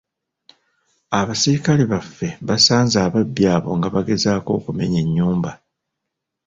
Abasirikale baffe basanze ababbi abo nga bagezaako okumenya ennyumba.